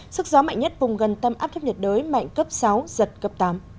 sức gió mạnh nhất vùng gần tâm áp thấp nhiệt đới mạnh cấp sáu giật cấp tám